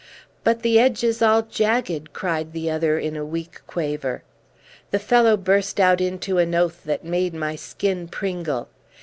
"But the edge is all jagged!" cried the other in a weak quaver. The fellow burst out into an oath that made my skin pringle.